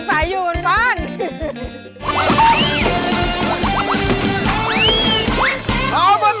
สายอยู่บนฟัง